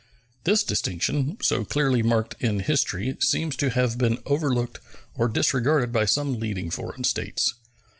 This distinction, so clearly marked in history, seems to have been overlooked or disregarded by some leading foreign states.